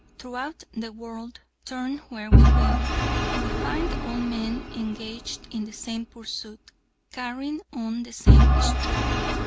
Throughout the world, turn where we will, we find all men engaged in the same pursuit, carrying on the same struggle.